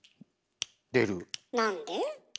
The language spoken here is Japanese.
なんで？